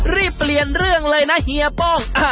รีบเปลี่ยนเรื่องเลยนะเฮียป้อง